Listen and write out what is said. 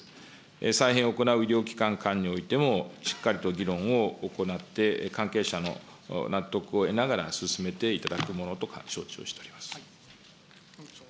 再編を行う医療機関間においてもしっかりと議論を行って、関係者の納得を得ながら進めていただくものと承知をしております。